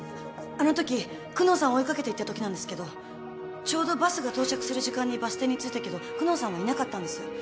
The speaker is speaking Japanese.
あのとき久能さん追い掛けていったときなんですけどちょうどバスが到着する時間にバス停に着いたけど久能さんはいなかったんです。